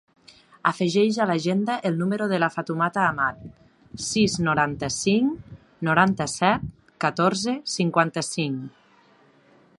Afegeix a l'agenda el número de la Fatoumata Amat: sis, noranta-cinc, noranta-set, catorze, cinquanta-cinc.